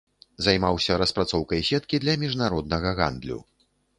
Займаўся распрацоўкай сеткі для міжнароднага гандлю.